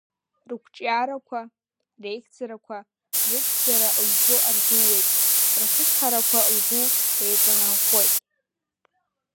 Рықәҿиарақәа, реихьӡарақәа, рыԥшӡара лгәы ардуеит, рхьысҳарақәа лгәы еиҵанарӷәӷәоит.